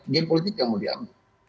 game politik yang mau diambil